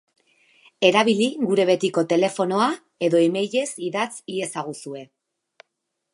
Erabili gure betiko telefonoa edo emailez idatz iezaguzue.